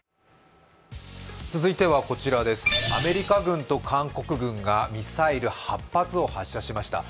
続いてはアメリカ軍と韓国軍がミサイル８発を発射しました。